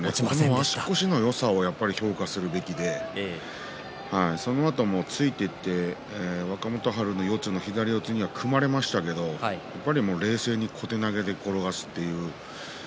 足腰のよさを評価するべきでそのあと突いていって若元春に左四つ、組まれましたが冷静に小手投げで転がすという。